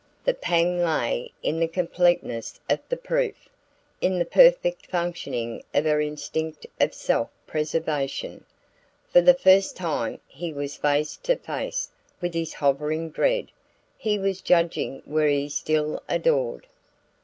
The pang lay in the completeness of the proof in the perfect functioning of her instinct of self preservation. For the first time he was face to face with his hovering dread: he was judging where he still adored.